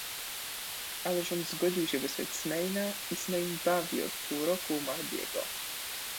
Ale rząd zgodził się wysłać Smaina i Smain bawi od pół roku u Mahdiego.